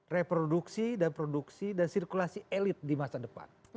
reproduksi dan produksi dan sirkulasi elit di masa depan